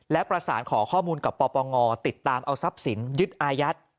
และประสานขอข้อมูลกับปปงติดตามเอาทรัพย์สินยึดอายัด